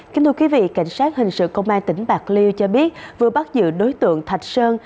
kính thưa quý vị cảnh sát hình sự công an tỉnh bạc liêu cho biết vừa bắt giữ đối tượng thạch sơn